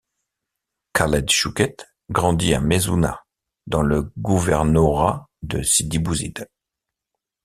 Khaled Chouket grandit à Mezzouna, dans le gouvernorat de Sidi Bouzid.